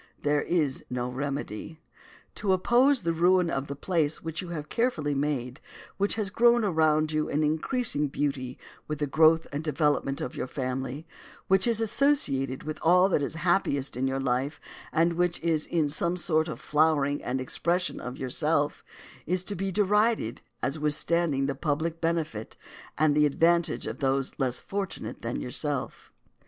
There is no remedy. To oppose the ruin of the place which you have carefully made, which has grown around you in increasing beauty with the growth and development of your family, which is associated with all that is happiest in your life, and which is in some sort the flowering and expression of yourself, is to be derided as withstanding the public benefit and the advantage of those less fortunate than yourself.